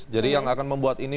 jadi yang akan membuat ini